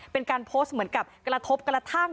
เป็นการโพสต์เหมือนกับกระทบกระทั่ง